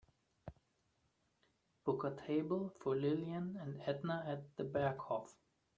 book a table for lillian and edna at The Berghoff